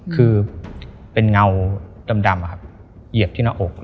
คือเป็นเงาดำเหยียบที่หน้าอก